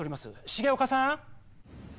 重岡さん。